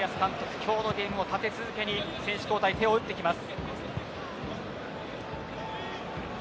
今日のゲームも立て続けに選手交代、手を打ってきます。